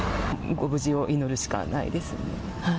ご無事を祈るしかないですね。